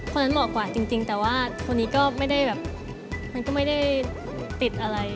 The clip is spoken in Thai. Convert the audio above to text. คนนั้นเหมาะกว่าจริงแต่ว่าคนนี้ก็ไม่ได้ติดอะไร